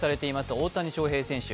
大谷翔平選手。